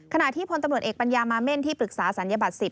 ขณะที่พลตำรวจเอกปัญญามาเม่นที่ปรึกษาศัลยบัตร๑๐